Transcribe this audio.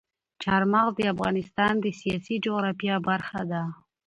چار مغز د افغانستان د سیاسي جغرافیه برخه ده.